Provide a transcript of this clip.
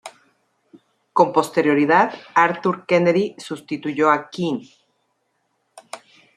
Con posterioridad Arthur Kennedy sustituyó a Quinn.